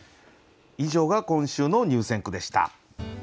以上が今週の入選句でした。